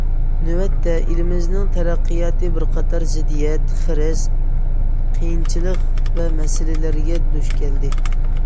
نۆۋەتتە، ئېلىمىزنىڭ تەرەققىياتى بىر قاتار زىددىيەت، خىرىس، قىيىنچىلىق ۋە مەسىلىلەرگە دۇچ كەلدى.